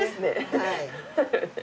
はい。